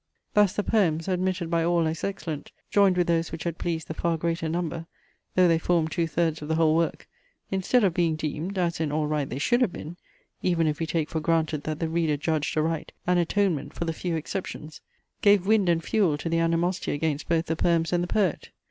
Thus the poems, admitted by all as excellent, joined with those which had pleased the far greater number, though they formed two thirds of the whole work, instead of being deemed (as in all right they should have been, even if we take for granted that the reader judged aright) an atonement for the few exceptions, gave wind and fuel to the animosity against both the poems and the poet.